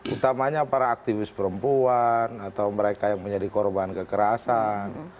utamanya para aktivis perempuan atau mereka yang menjadi korban kekerasan